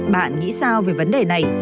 bạn nghĩ sao về vấn đề này